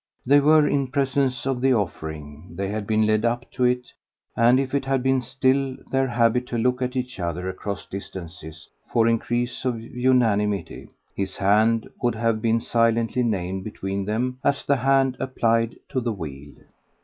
They were in presence of the offering they had been led up to it; and if it had been still their habit to look at each other across distances for increase of unanimity his hand would have been silently named between them as the hand applied to the wheel.